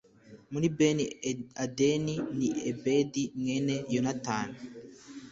muri bene adini ni ebedi mwene yonatani